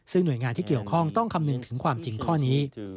ซึ่งหน่วยงานที่เกี่ยวข้องต้องคำนึงถึงความจริงข้อนี้